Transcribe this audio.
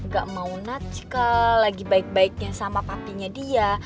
gak mau najk lagi baik baiknya sama papinya dia